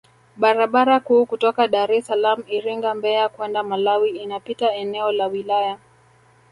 Barabara kuu kutoka Daressalaam Iringa Mbeya kwenda Malawi inapita eneo la wilaya